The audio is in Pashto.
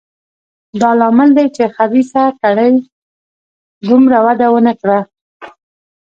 دا لامل دی چې خبیثه کړۍ دومره وده ونه کړه.